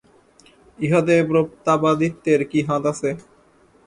ইহাতে প্রতাপাদিত্যের কি হাত আছে!